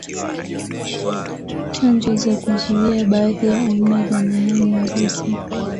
Chanjo za kuzuia baadhi ya aina za nimonia zipo.